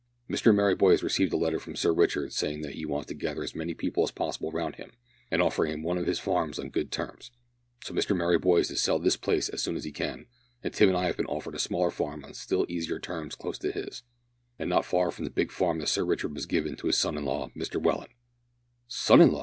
Mr Merryboy has received a letter from Sir Richard, saying that he wants to gather as many people as possible round him, and offering him one of his farms on good terms, so Mr Merryboy is to sell this place as soon as he can, and Tim and I have been offered a smaller farm on still easier terms close to his, and not far from the big farm that Sir Richard has given to his son in law Mr Welland " "Son in law!"